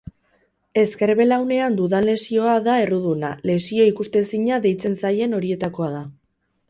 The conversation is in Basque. Ezker belaunean dudan lesioa da erruduna, lesio ikustezina deitzen zaien horietakoa da.